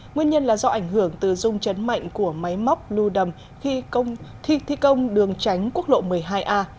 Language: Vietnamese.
nguyên nhân là do ảnh hưởng từ rung chấn mạnh của máy móc lưu đầm khi thi công đường tránh quốc lộ một mươi hai a